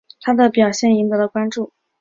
他的表现赢得了关注。